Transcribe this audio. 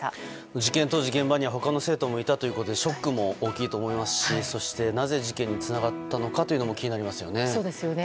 事件当時、現場には他の生徒もいたということでショックも大きいと思いますしそしてなぜ事件につながったのかも気になりますよね。